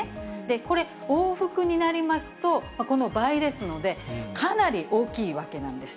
これ、往復になりますと、この倍ですので、かなり大きいわけなんです。